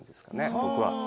僕は。